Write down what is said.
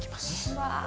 うわ。